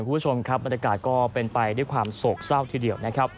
บรรยากาศเป็นไปด้วยความสกเศร้าทีเดียว